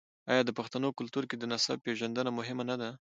آیا د پښتنو په کلتور کې د نسب پیژندنه مهمه نه ده؟